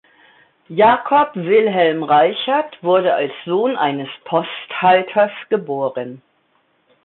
Jakob Wilhelm Reichert wurde als Sohn eines Posthalters geboren.